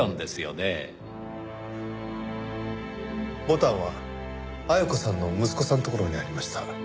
ボタンは絢子さんの息子さんの所にありました。